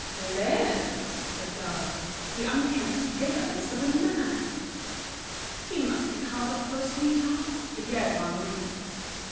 "Hullo!" said Clara, "the 'unkempt girl' has got a young man." "He must be hard up for a sweetheart," declared Marguerite.